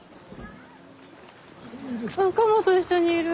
カモと一緒にいる。